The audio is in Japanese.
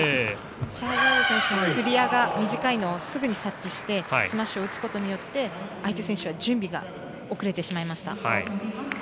シャハザード選手のクリアが短いのをすぐに察知してスマッシュを打つことによって相手選手は準備が遅れてしまいました。